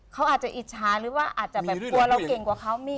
เขาอาจจะอิจฉาหรือว่าอาจจะแบบกลัวเราเก่งกว่าเขามี